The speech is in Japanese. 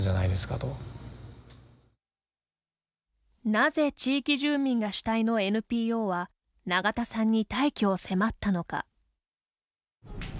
なぜ地域住民が主体のＮＰＯは永田さんに退去を迫ったのか。